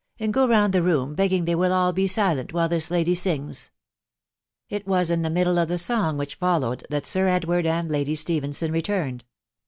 . and go round the room, begging they will all be silent while this lady sings." It was in the middle of the song which followed that Sir Edward and Lady Stephenson returned.